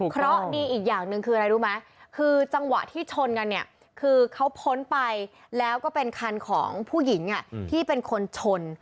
เพราะดีอีกอย่างหนึ่งคืออะไรรู้ไหมคือจังหวะที่ชนกันเนี่ยคือเขาพ้นไปแล้วก็เป็นคันของผู้หญิงที่เป็นคนชน